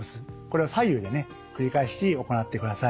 これを左右でね繰り返し行ってください。